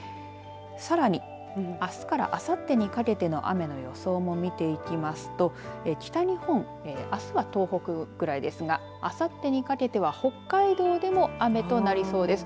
さらに、あすからあさってにかけての雨の予想も見ていきますと北日本あすは東北ぐらいですがあさってにかけては北海道でも雨となりそうです。